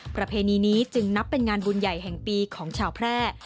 ประเพณีนี้จึงนับเป็นงานบุญใหญ่แห่งปีของชาวแพร่